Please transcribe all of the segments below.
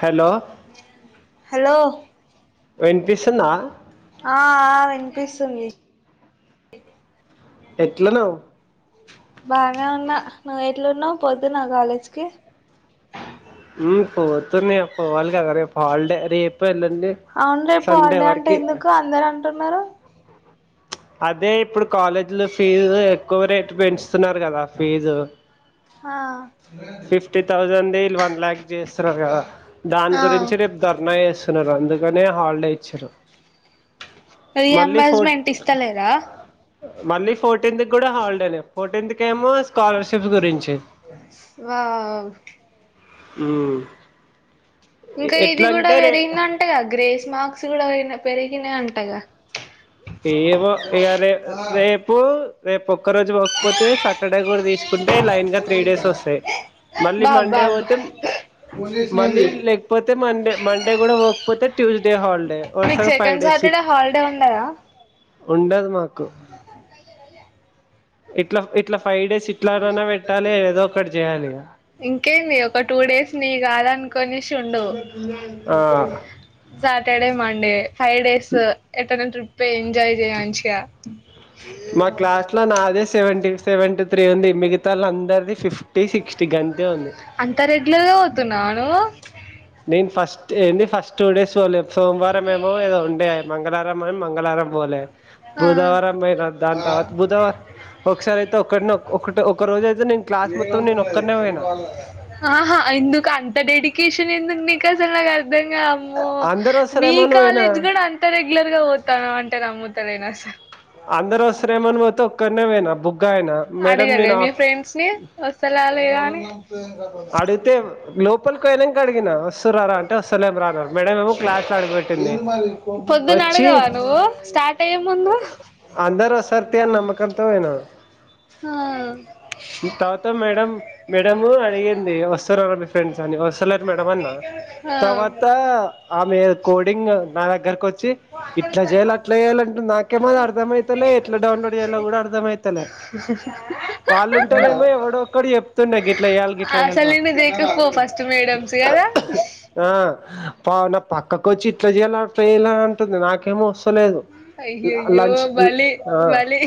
Hello hello వినిపిస్తుందా ఆ ఆ వినిపిస్తుంది ఎట్లునవ్ బానే ఉన్నా నువ్వు ఎట్లున్నవ్ పొతున్నవ కాలేజ్ కి ఊ పోతున్న ఇగ పోవాలి కద రేపు హాల్డే రేపు ఎల్లుండి అవును రేప్ సండే హాల్డే అంటే వరకి ఎందుకు అందరు అంటున్నారు అదే ఇప్పుడు కాలేజీలు ఫీజు ఎక్కువ రేటు పెంచుతున్నారు కదా ఫీజు ఆ ఫిఫ్టీ తౌసెండ్ ది వీళ్ళు వన్ లాక్ చేస్తున్నారు కదా దాని ఆ గురించి రేపు ధర్నా చేేస్తున్నారు అందుకనే హాలిడే ఇచ్చారు మళ్ళీ ఫోట్ రీఎంబర్స్మెంట్ ఇస్తలేదా మళ్ళీ ఫోర్టీన్త్ కి కూడా హాలిడేనే ఫోర్టీన్త్ కేమో కాలర్షిప్స్ గురించి వావ్ ఊ ఇంకా ఇది కూడా పెరిగిందంటగా గ్రేస్ మర్క్స్ కూడా వె పెరిగినయంటగా ఏమో ఇగ రే రేపు రేపు ఒక్క రోజు ఒకపోతే సాటర్డే కూడా తీసుకు ఉంటే లైన్గా త్రీ డేస్ వస్తాయి మళ్ళీ బాబ్ మండే బాబ్ పోతే మళ్ళీ లే పోతే మండే మండే కూడా పోకపోతే ట్యూస్డే హాలిడే వరుసగా ఫైవ్ డేస్ ఉ డ ఉండదా ఉండదు మాకు ఇట్లా ఇట్లా ఫై డేస్ ఎట్లనన్న పెట్టలే ఏదో ఒకటీ చేయాలి ఇగ ఇంకేంది ఒక టూ డేస్ నియ్ కాదనుకొనేసి ఉండు ఆ సాటర్డే మండే ఫైవ్ డైస్ ఏటన్నా ట్రిప్పయ్ ఎంజాయ్ చేయి మంచిగా మా క్లాస్ లో నాదే సెవెంటి సెవెంటి త్రీ ఉంది మిగతాళ అందరిది ఫిఫ్టీ సిక్స్టీ గంతే ఉంది అంత రెగ్యులర్గా వోతున్నావా నువ్వు. నేన్ ఫస్ట్ ఏందీ ఫస్ట్ టూ డేస్ వోలే సోంవారం ఏమో ఏదో ఉండే మంగళారం. మరి మంగళారం బోలే ఆ బుధవారం బోయిన దాని తర్వాత బుధ. ఒకసారి అయితే ఒక్కడనే ఒక్కో ఒకటే ఒక రోజ అయితే నేను క్లాస్ మొత్తం నేను ఒక్కనే వోయిన. ఆహా ఎందుకు అంత డెడికేషన్ ఎందుకు నీకు అసల్ నాకు అర్ధంగావూ. అమ్మో అందరు మీ వస్తారేమో అని పోయినా కాలేజ్ గూడా అంత రెగ్యులర్ గా వో త్తన్నవంటే నమ్ముతలేను అస్సల్. అందరు ఓస్తార్రేమో అని వోతే ఒక్కనేవేయినా బుగ్గ అయినా. మేడం అడగలే నేను మీ ఆఫ్ ఫ్రెండ్స్ ని వస్తలా లేదఅని. అడిగితే మ్ లోపలికి వోయినంక అడిగిన వస్తుర్రారా అంటే అస్తాలేం రా అ. మేడము క్లాస్ లా అడుగువేట్టింది ఏంది మరి పొద్దున ఓచ్చి. అడగవా నువ్వు స్టార్ట్ అయ్యే ముందు అందరూ సత్యాని నమ్మకంతో వేయిన. ఆ. తవాత మేడం మేడము అడిగింది ఓస్తరా మీ ఫ్రెండ్స్ అని ఓస్. అత్తలేరు మేడ అన్న ఆ తవాత ఆమే కోడింగ్ నా దగ్గరకు కోచ్చి. ఇట్లా జేయాలా అట్లా యేయాలంటే నాకేమో అర్ధం అయితలే ఎట్లా డౌన్లోడ్ యేయాలో గూడా అర్ధం ఐతలే. వి వాళ్ళుంటేనేమో ఎవడొక్కడు యేప్తుండే గిట్లా యేయాలి గి. అసల్ నిన్ను దేకకపోవు ఫస్ట్ మేడమ్స్ గదా. ఆ పా నాపక్కకోవచ్చి ఇట్లా యేయ్యాలా అట్లా యేయ్యాలా అంటుంది నాకేమో ఓస్. అత్తలేదు లా అ అయ్యయ్యో లంచ్ లా బలి ఆ. బలి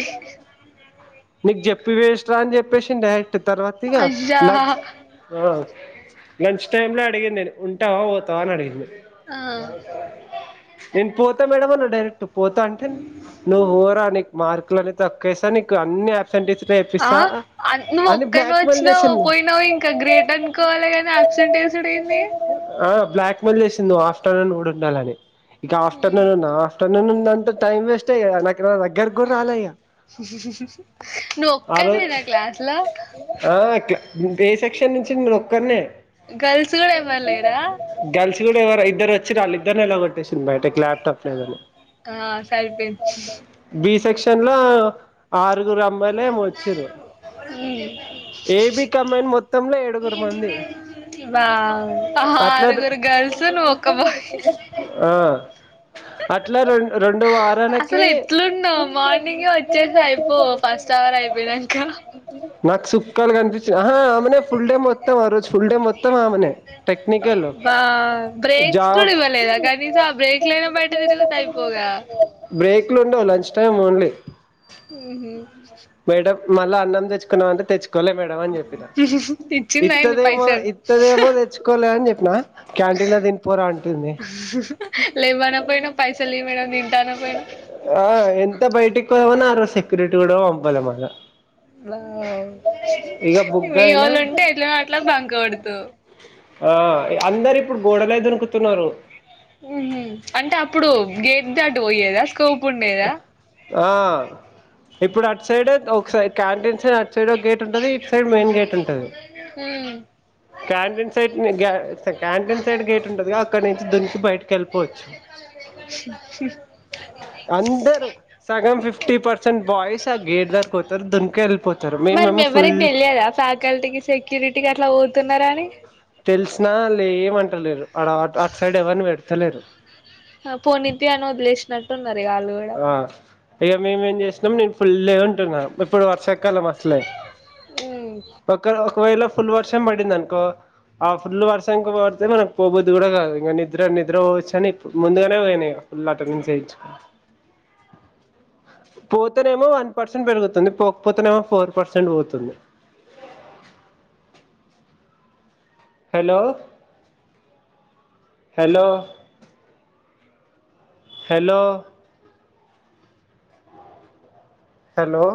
నీకు జేప్పి వెస్ట్ రా అని జేప్పేసిండు డైరెక్ట్ తర్వాత ఇగ అయ్యా లంచ్. ఆ లంచ్ టైమ్ లో అడిగిన్నెను ఉంటావా వోతావా అని అడిగింది. ఆవ్. నేను పోతా మేడమ్ అన్నా డైరెక్ట్ పోతా అంటే. నువ్వు వోరా నీక్ మార్కులన్న తక్కుస్తా నీకు అన్ని అప్. ఆ ఆన్ నువ్వు బ్లాక్మెెయిల్ ఒక్కణ్వేవచ్చినవ్ చేసింది పోయినావు ఇంకా గ్రేట్ అను. కోవాల కద అప్సెంట్ జరిగింది. ఆ బ్లాక్. ఫోన్ జేసింది ఆఫ్టర్నూన్ డ్ ఉండాలని ఇగ ఆఫ్టర్నూన్ ఉన్నా ఆఫ్టర్నూన్ ఉనంత. టైం వేస్ట్ గదా నాకు నా దగ్గర గూడ్ రాలే ఇగ. నువ్వు రోజు ఒక్కనివేనా క్లాసులో. ఆ కే బి సెక్షన్ నుంచి నేనొక్కన్నే. గర్ల్స్ కూడా ఎవరు లేరా గల్స్ గూడా ఎవరో ఇద్దరు వోచ్చిర్రు అళ్ళిద్దర్ని ఎలా కొట్టేషి. బయట క్యాప్టాప్ లేదండి ఆ సరిపోయింది బి సెక్షన్ లో. ఆరుగురు అమ్మాయిలేమో ఓచ్చిర్రు ఏబి కమ్మాయిని మొ. మొత్తంలో ఏడుగురు మంది. వావ్ అట్లా ఆరుగురు గర్ల్స్ నువ్వు ఒక్క బా. ఆ. అట్లా రోన్ రొండు వారాలకి. అసలు పో పాస్టవర్ అయిపోయినక్క. నాక్ సుక్కాల్ గనిపించి ఆ ఆమెనే ఫుల్ డే మొత్తం ఆ రోజు ఫుల్ డే మొత్తం ఆమెనే. టెక్నికల్ బా బ్రేక్స్ కూడా జాబ్ ఇవ్వలేదా కనీసం ఆ బ్రేక్లైన బయటతిరుగుతే ఐ. పోగా. బ్రేక్లు లుండవ్ లంచ్ టైం ఓన్లీ. ఊహు. మేడం మల్ల అన్నం దెచ్చుకు కున్నవా అంటె తెచ్చుకోలే మేడమని చెప్పిన ఇచ్చిందా ఏంది ఇత్తదేమో పైసలు ఇత్తదేమో తెచ్ చ్చుకోలే అని చెప్పిన క్యాంటీన్లో తినిపోరా అంటుంది లేవ్వనకపోయినవ్ పైసలియ్యి మేడమ్ తింటానకపోయినవ్ ఆ ఎంత బయటకి పోదామన్న ఆ రోజు సెక్యూరిటీ కూడ పంపలే మల్ల వావ్ బుగ్గ మీ అయినా వొళ్ళు ఉంటే ఎట్లనో అట్ల బంక్ కొడుతవ్ ఆ అందరిప్పుడు గోడలే దునుకుతున్నరు ఊహు అంటే అప్పుడు గేట్ దాటి పోయేదా స్కోప్ ఉండేదా ఆ ఇప్పుడటు సైడ్ ఒక సై క్యాంటీన్ సై అటు సైడ్ ఒక గేట్ ఉంటది ఇటు సైడ్ మెయిన్ గేట్ ఉంటది ఊమ్ క్యాంటీన్ సైడ్ ని గ్య క్యాంటీన్ సైడ్ గేట్ ఉంటదిగా అక్కడ నుంచి దునికి బయటకి ఎళ్ళిపోవచ్ ప్చ్ చి చి అందరు సగం ఫిఫ్టీ పర్సెంట్ బాయ్స్ ఆ గేడ్ దగ్గరక్పోతరు దున్కీ ఎల్పోత్ మరి మీ ఎవ్వరికి తెలియదా ఫ్యాకల్టీకి సెక్యూరిటీకి అట్ల పోతున్నరని తెలిసినా అల్లెమంటలేరు ఆడ అట్ అట్ సైడ్ ఎవర్ని పెడతలేరు హా పోనితి అని వదిలేసినట్టున్నరిగా ఆళ్ళు గుడ్ ఆ ఇగ మేమేం చేసినం నేను ఫుల్లుగుంటున్నా ఇప్పుడు వర్షాకాలం అసలే ఒక్క ఒకవేళ ఫుల్లు వర్షం బడిందన్కో ఆ ఫుల్లు వర్శంకు పోతే మనకు పోబుద్ధి కూడ గాదు ఇంగ నిద్ర నిద్ర పోవచ్చని ఇప్ ముందుగనే పోయినిగ ఫుల్లు అటెండెన్స్ ఎయించుకున్న పోతేనేమో వన్ పర్సెంట్ పెరుగుతుంది పోకపోతేనేమో ఫోర్ పర్సెంట్ పోతుంది హలో హలో హలో హలో